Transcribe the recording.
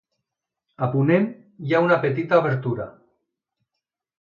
A ponent hi ha una petita obertura.